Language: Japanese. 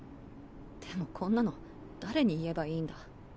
でもこんなの誰に言えばいいんだ？